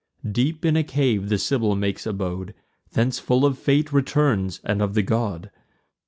Deep in a cave the Sibyl makes abode; Thence full of fate returns, and of the god.